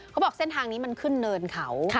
เขาบอกเส้นทางนี้มันขึ้นเนินเขา